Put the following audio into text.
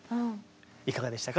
いかがでしたか？